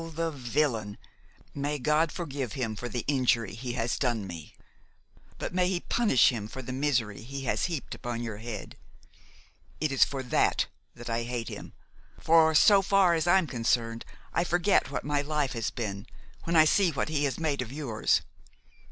the villain! may God forgive him for the injury he has done me! but may He punish him for the misery he has heaped upon your head! It is for that that I hate him; for, so far as I am concerned, I forget what my life has been, when I see what he has made of yours.